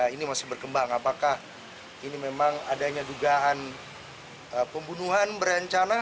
ini masih berkembang apakah ini memang adanya dugaan pembunuhan berencana